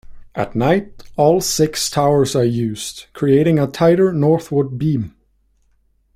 At night, all six towers are used, creating a tighter northward beam.